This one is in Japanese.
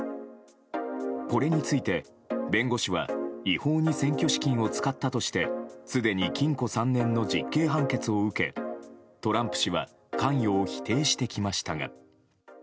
これについて弁護士は違法に選挙資金を使ったとしてすでに禁錮３年の実刑判決を受けトランプ氏は関与を否定してきましたが。